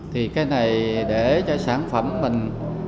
thì cái này để cho sản phẩm mình